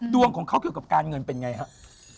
ดวงของเขาเกี่ยวกับการเงินเป็นไงครับ